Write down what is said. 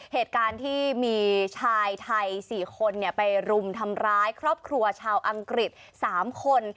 เหตุการณ์ที่มีชายไทย๔คนไปรุมทำร้ายครอบครัวชาวอังกฤษ๓คน